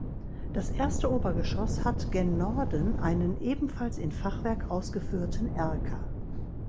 Das erste Obergeschoss hat gen Norden einen ebenfalls in Fachwerk ausgeführten Erker.